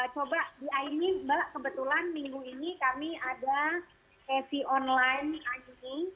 coba di aimi mbak kebetulan minggu ini kami ada sesi online aimi